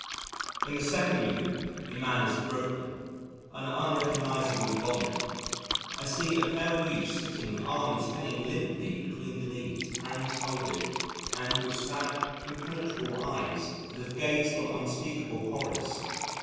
In the Second Movement the man is broken, an unrecognisable vomit. I see a pale youth sitting with arms hanging limply between the knees, hands folded, and with sad, impenetrable eyes that have gazed on unspeakable horrors.